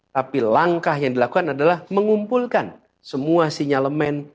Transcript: tapi langkah yang dilakukan adalah mengumpulkan semua sinyalemen